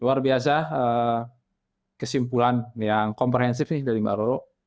luar biasa kesimpulan yang komprehensif nih dari mbak roro